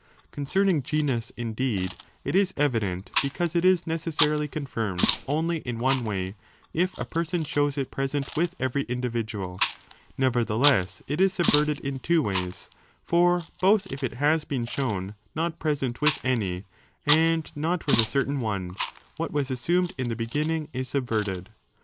Concern ing genus indeed, (it is evident,) because it is necessarily confirmed only in one way, if a person shows it present with every individual ; nevertheless, it is subverted in two ways, for both if it has been shown not present with any, and not with a certain one, what was assumed in the beginning is subverted.